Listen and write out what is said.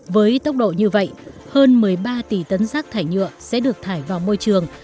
với tốc độ như vậy hơn một mươi ba tỷ tấn rác thải nhựa sẽ được thải vào môi trường